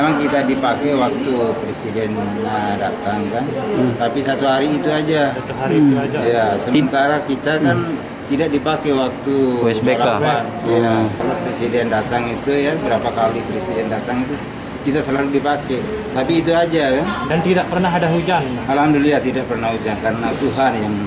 saya sendiri waktu presiden kalau masalah panin tidak pernah kita diundang